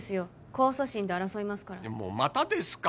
控訴審で争いますからまたですか？